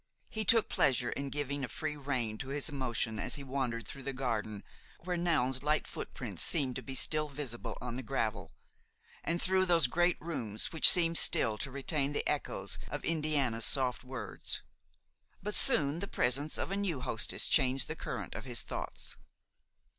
He took pleasure in giving a free rein to his emotion as he wandered through the garden where Noun's light footprints seemed to be still visible on the gravel, and through those great rooms which seemed still to retain the echoes of Indiana's soft words; but soon the presence of a new hostess changed the current of his thoughts.